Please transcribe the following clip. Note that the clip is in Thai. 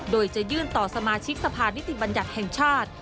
โดยจะยื่นต่อสมาชิกสภานิติบัญญัติแห่งชาติ